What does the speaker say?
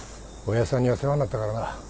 親父さんには世話になったからな。